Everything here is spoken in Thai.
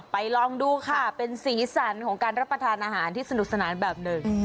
ลองดูค่ะเป็นสีสันของการรับประทานอาหารที่สนุกสนานแบบหนึ่ง